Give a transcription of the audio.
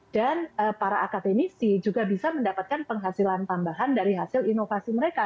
dan para akademisi juga bisa mendapatkan penghasilan tambahan dari hasil inovasi mereka